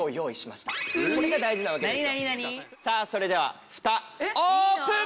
さあそれではフタオープン！